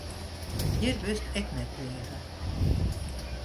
Hjir wurdst ek net pleage.